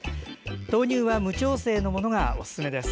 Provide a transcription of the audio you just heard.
豆乳は無調整のものがおすすめです。